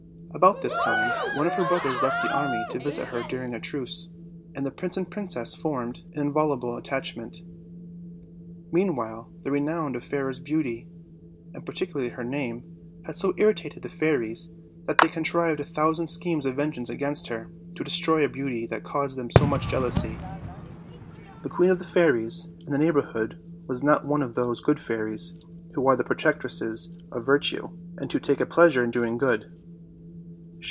About this time one of her brothers left the army to visit her during a truce, and the prince and princess formed an inviolable attachment. Meanwhile the renown of Fairer's beauty, and particu larly her name, had so irritated the fairies that they con trived a thousand schemes of vengeance against her, to destroy a beauty that'caused them so much jealousy. The queen of the fairies in the neighborhood was not one of those good fairies who are the protectresses of virtue, and who take a pleasure in doing good.